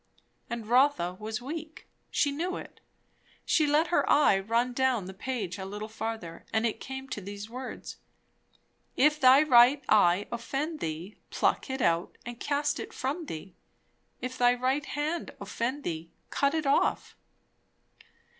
And Rotha was weak. She knew it. She let her eye run down the page a little further; and it came to these words "If thy right eye offend thee, pluck it out, and cast it from thee."... "If thy right hand offend thee, cut it off."...